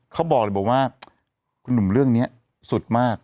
เค้าบอกหนุ่มเรื่องนี้สุดมาก